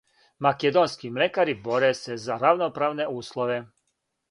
Македонски млекари боре се за равноправне услове.